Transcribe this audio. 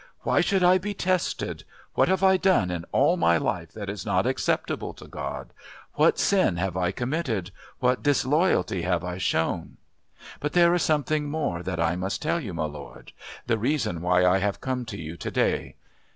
"Why should I be tested? What have I done in all my life that is not acceptable to God? What sin have I committed! What disloyalty have I shown? But there is something more that I must tell you, my lord the reason why I have come to you to day.